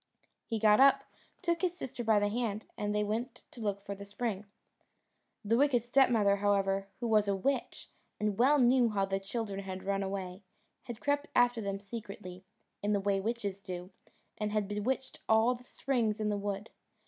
He got up, took his sister by the hand, and they went to look for the spring. The wicked stepmother, however, who was a witch, and well knew how the children had run away, had crept after them secretly, in the way witches do, and had bewitched all the springs in the wood.